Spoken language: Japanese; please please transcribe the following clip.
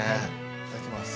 いただきます。